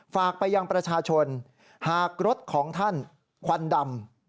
ฝากไปยังประชาชนหากรถของท่านควันดำ